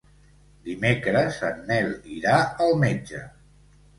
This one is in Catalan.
Dimecres en Nel irà al metge.